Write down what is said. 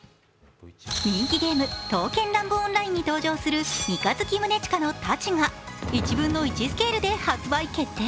人気ゲーム「刀剣乱舞−ＯＮＬＩＮＥ−」に登場する三日月宗近の太刀が１分の１スケールで発売決定。